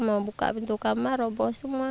mau buka pintu kamar roboh semua